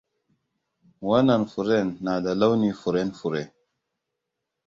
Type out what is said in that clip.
Wannan furen na da launi furen fure.